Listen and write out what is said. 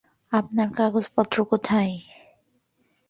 আপনার কাগজপত্র কোথায়?